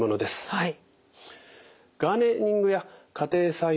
はい。